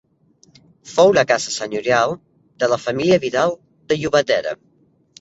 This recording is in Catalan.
Fou la casa senyorial de la família Vidal de Llobatera.